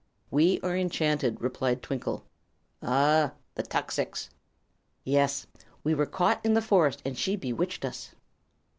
"We are enchanted," replied Twinkle. "Ah. The tuxix?" "Yes. We were caught in the forest, and she bewitched us."